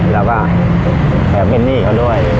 เราก็แขกเป็นหนี้เขาด้วย